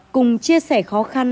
cùng chia sẻ khó khăn